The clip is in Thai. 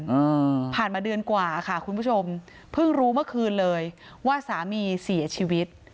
อืมผ่านมาเดือนกว่าค่ะคุณผู้ชมเพิ่งรู้เมื่อคืนเลยว่าสามีเสียชีวิต